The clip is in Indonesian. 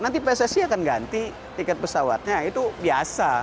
nanti pssi akan ganti tiket pesawatnya itu biasa